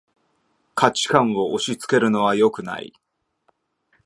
価値観を押しつけるのはよくない